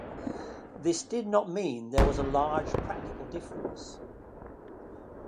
This did not mean there was a large practical difference.